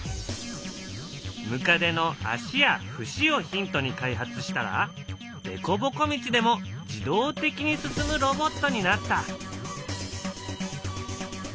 ムカデの足や節をヒントに開発したらでこぼこ道でも自動的に進むロボットになった。